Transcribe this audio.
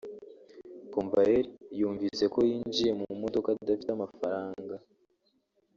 Komvayeri yumvise ko yinjiye mu modoka adafite amafaranga